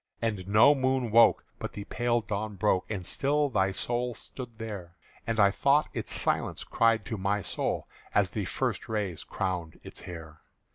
"And no moon woke, but the pale dawn broke, And still thy soul stood there; And I thought its silence cried to my soul As the first rays crowned its hair.